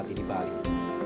kami lewati di balik